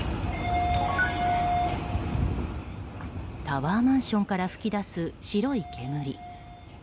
タワーマンションから噴き出す白い煙。